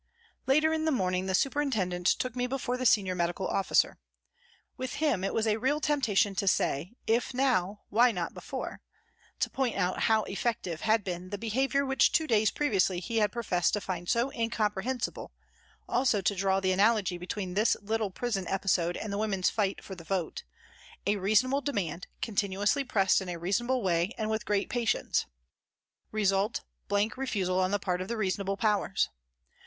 Later in the morning the superintendent took me before the Senior Medical Officer. With him it was a real temptation to say, " If now, why not before ?" to point out how effective had been the behaviour which two days previously he had professed to find so incomprehensible, also to draw the analogy between this little prison episode and the women's fight for the vote a reasonable demand, con tinuously pressed in a reasonable way and with great patience ; result, blank refusal on the part of responsible powers.